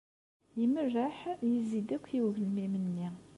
Imerreḥ, yezzi-d akk i ugelmim-nni.